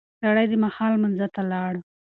سړی د ماښام لمانځه ته ولاړ.